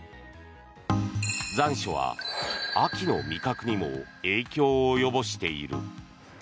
残暑は秋の味覚にも影響を及ぼしている。